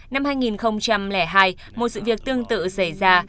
năm hai nghìn hai một sự việc tương tự xảy ra